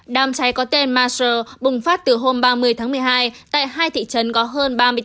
đám cháy có tên marsher bùng phát từ hôm ba mươi tháng một mươi hai tại hai thị trấn có hơn ba mươi bốn